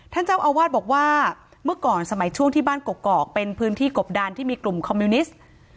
ท่านเจ้าอาวาสบอกว่าเมื่อก่อนสมัยช่วงที่บ้านกกอกเป็นพื้นที่กบดานที่มีกลุ่มคอมมิวนิสต์